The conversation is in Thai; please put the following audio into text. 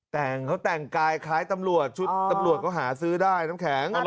แต่งเขาแต่งกายคล้ายตำรวจชุดตำรวจเขาหาซื้อได้น้ำแข็ง